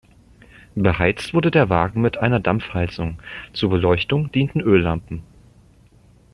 Beheizt wurde der Wagen mit einer Dampfheizung; zur Beleuchtung dienten Öllampen.